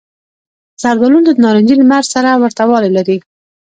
زردالو له نارنجي لمر سره ورته والی لري.